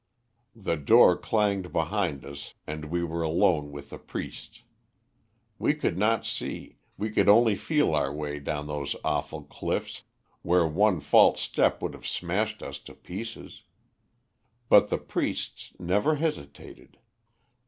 "The door clanged behind us, and we were alone with the priests. We could not see, we could only feel our way down those awful cliffs, where one false step would have smashed us to pieces. But the priests never hesitated.